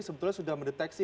sebetulnya sudah mendeteksi